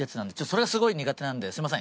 それがすごい苦手なんですみません。